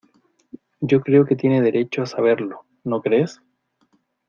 yo creo que tiene derecho a saberlo. ¿ no crees?